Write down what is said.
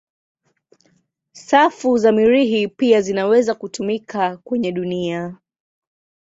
Safu za Mirihi pia zinaweza kutumika kwenye dunia.